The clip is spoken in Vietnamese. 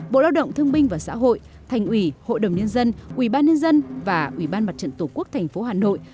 bộ lao động thương minh và xã hội thành ủy hội đồng nhân dân ủy ban nhân dân và ủy ban mặt trận tổ quốc tp hà nội